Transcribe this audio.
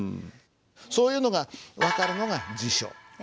そういうのが分かるのが辞書。